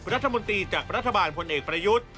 รัฐมนตรีจากรัฐบาลพลเอกประยุทธ์